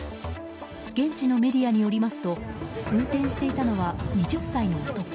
現地のメディアによりますと運転していたのは２０歳の男。